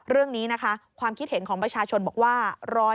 เรื่องนี้นะคะความคิดเห็นของประชาชนบอกว่า